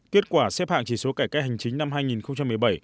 kết quả xếp hạng chỉ số cải cách hành chính năm hai nghìn một mươi bảy